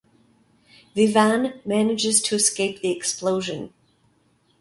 Vivaan manages to escape the explosion.